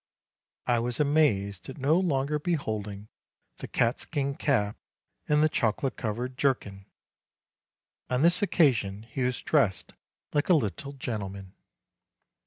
I was amazed at no longer beholding 180 MARCH the catskin cap and the chocolate colored jerkin: on this occasion he was dressed like a little gentleman.